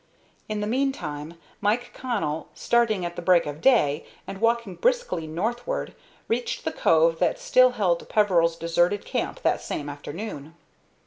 In the meantime Mike Connell, starting at the break of day, and walking briskly northward, reached the cove that still held Peveril's deserted camp that same afternoon.